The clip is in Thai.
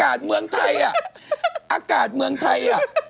อากาศเมืองไทยอ่ะ